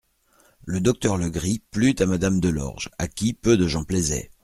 Le docteur Legris plut à Madame Delorge, à qui peu de gens plaisaient.